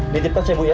ditip tas ya bu ya